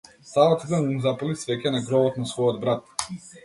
Таа отиде да му запали свеќа на гробот на својот брат.